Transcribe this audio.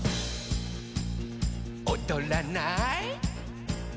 「おどらない？」